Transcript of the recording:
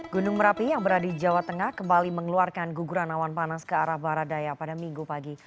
gunung merapi yang berada di jawa tengah kembali mengeluarkan guguran awan panas ke arah barat daya pada minggu pagi